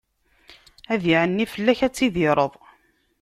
Ad iɛenni fell-ak, ad tidireḍ.